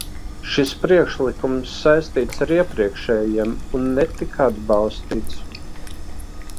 Šis priekšlikums saistīts ar iepriekšējiem un netika atbalstīts.